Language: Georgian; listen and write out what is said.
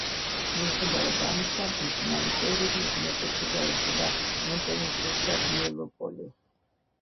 მიუხედავად ამისა მისი ნამუშევრები უმეტესობა ეხება მონტენეგროს და ბიელო-პოლეს.